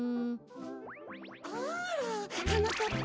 あらはなかっぱ。